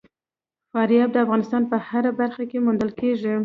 فاریاب د افغانستان په هره برخه کې موندل کېږي.